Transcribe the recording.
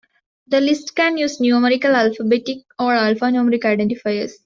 The list can use numerical, alphabetic, or alpha-numeric identifiers.